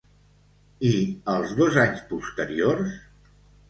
I els dos anys posteriors?